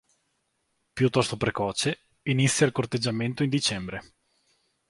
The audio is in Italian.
Piuttosto precoce, inizia il corteggiamento in dicembre.